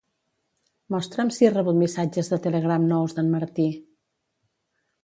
Mostra'm si he rebut missatges de Telegram nous d'en Martí.